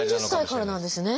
４０歳からなんですね。